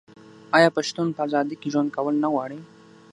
آیا پښتون په ازادۍ کې ژوند کول نه غواړي؟